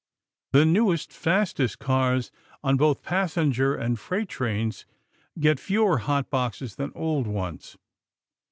The newest, fastest cars on both passenger and freight trains get fewer hot boxes than old ones.